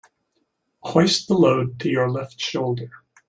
Hoist the load to your left shoulder.